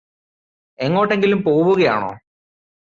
എങ്ങോട്ടെങ്കിലും പോവുകയാണോ